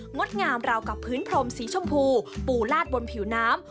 ดงามราวกับพื้นพรมสีชมพูปูลาดบนผิวน้ำ